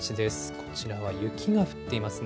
こちらは雪が降っていますね。